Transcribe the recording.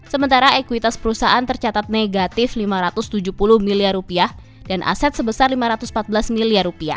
sementara ekuitas perusahaan tercatat negatif rp lima ratus tujuh puluh miliar dan aset sebesar rp lima ratus empat belas miliar